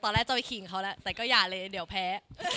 แรกจะไปขิงเขาแล้วแต่ก็อย่าเลยเดี๋ยวแพ้